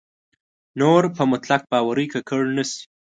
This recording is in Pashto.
نور په مطلق باورۍ ککړ نه شي.